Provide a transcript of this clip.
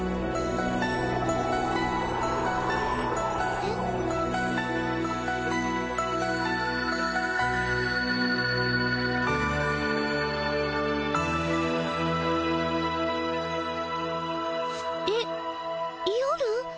えっ？えっ夜？